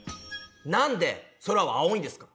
なんで空は青いんですか？